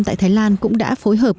tại thái lan cũng đã phối hợp